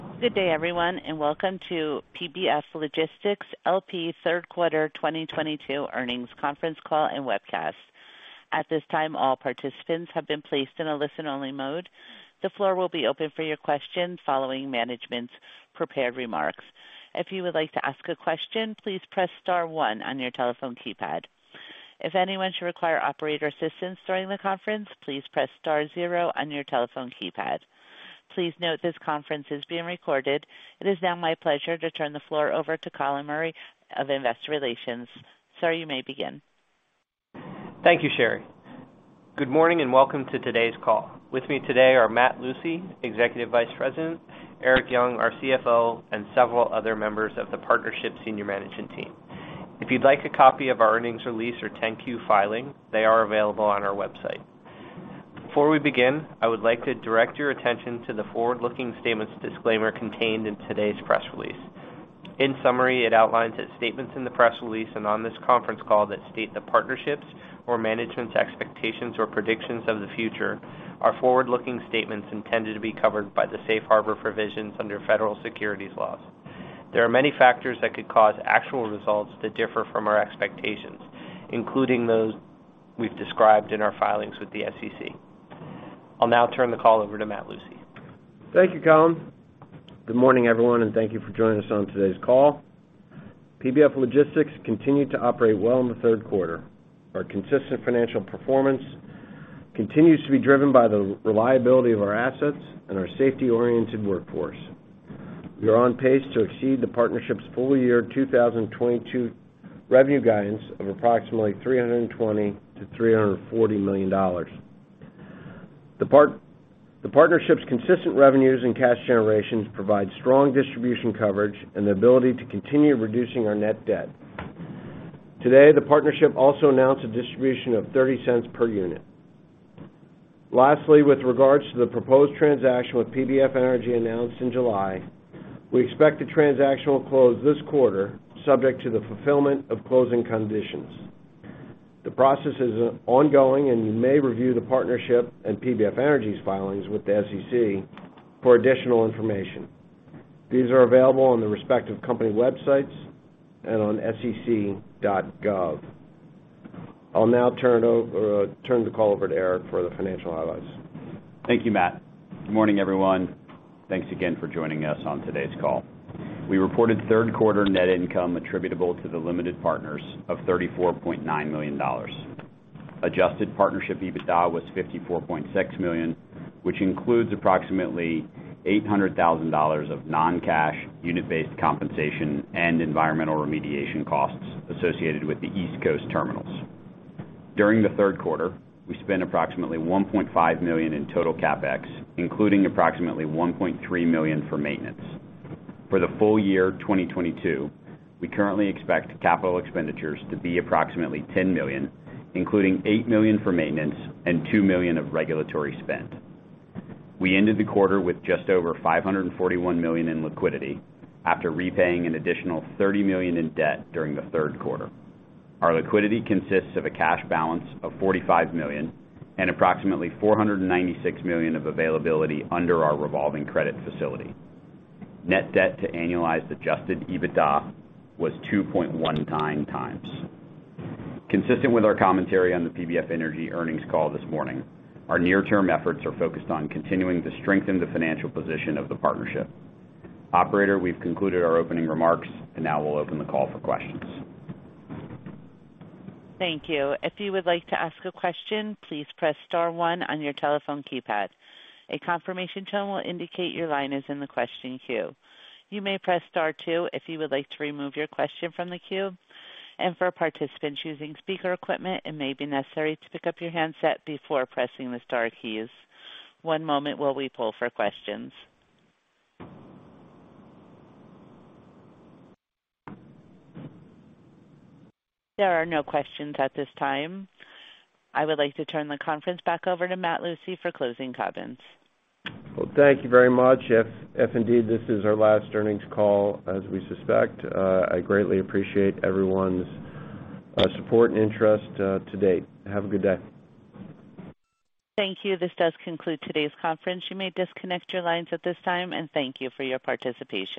Good day, everyone, and welcome to PBF Logistics LP Third Quarter 2022 Earnings Conference Call and Webcast. At this time, all participants have been placed in a listen-only mode. The floor will be open for your questions following management's prepared remarks. If you would like to ask a question, please press star one on your telephone keypad. If anyone should require operator assistance during the conference, please press star zero on your telephone keypad. Please note this conference is being recorded. It is now my pleasure to turn the floor over to Colin Murray of Investor Relations. Sir, you may begin. Thank you, Sherry. Good morning, and welcome to today's call. With me today are Matthew C. Lucey, Executive Vice President, C. Erik Young, our CFO, and several other members of the partnership senior management team. If you'd like a copy of our earnings release or 10-Q filing, they are available on our website. Before we begin, I would like to direct your attention to the forward-looking statements disclaimer contained in today's press release. In summary, it outlines that statements in the press release and on this conference call that state the partnership's or management's expectations or predictions of the future are forward-looking statements intended to be covered by the safe harbor provisions under federal securities laws. There are many factors that could cause actual results to differ from our expectations, including those we've described in our filings with the SEC. I'll now turn the call over to Matthew. Thank you, Colin. Good morning, everyone, and thank you for joining us on today's call. PBF Logistics continued to operate well in the third quarter. Our consistent financial performance continues to be driven by the reliability of our assets and our safety-oriented workforce. We are on pace to exceed the partnership's full year 2022 revenue guidance of approximately $320 million-$340 million. The partnership's consistent revenues and cash generation provide strong distribution coverage and the ability to continue reducing our net debt. Today, the partnership also announced a distribution of $0.30 per unit. Lastly, with regards to the proposed transaction with PBF Energy announced in July, we expect the transaction will close this quarter subject to the fulfillment of closing conditions. The process is ongoing and you may review the partnership and PBF Energy's filings with the SEC for additional information. These are available on the respective company websites and on SEC.gov. I'll now turn the call over to Eric Young for the financial highlights. Thank you, Matt. Good morning, everyone. Thanks again for joining us on today's call. We reported third quarter net income attributable to the limited partners of $34.9 million. Adjusted partnership EBITDA was $54.6 million, which includes approximately $800,000 of non-cash unit-based compensation and environmental remediation costs associated with the East Coast terminals. During the third quarter, we spent approximately $1.5 million in total CapEx, including approximately $1.3 million for maintenance. For the full year 2022, we currently expect capital expenditures to be approximately $10 million, including $8 million for maintenance and $2 million of regulatory spend. We ended the quarter with just over $541 million in liquidity after repaying an additional $30 million in debt during the third quarter. Our liquidity consists of a cash balance of $45 million and approximately $496 million of availability under our revolving credit facility. Net debt to annualized Adjusted EBITDA was 2.19x. Consistent with our commentary on the PBF Energy earnings call this morning, our near-term efforts are focused on continuing to strengthen the financial position of the partnership. Operator, we've concluded our opening remarks and now we'll open the call for questions. Thank you. If you would like to ask a question, please press star one on your telephone keypad. A confirmation tone will indicate your line is in the question queue. You may press star two if you would like to remove your question from the queue. For participants using speaker equipment, it may be necessary to pick up your handset before pressing the star keys. One moment while we poll for questions. There are no questions at this time. I would like to turn the conference back over to Matt Lucey for closing comments. Well, thank you very much. If indeed this is our last earnings call as we suspect, I greatly appreciate everyone's support and interest to date. Have a good day. Thank you. This does conclude today's conference. You may disconnect your lines at this time, and thank you for your participation.